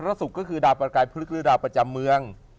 สุขก็คือดาวประกายพฤกษ์หรือดาวประจำเมือง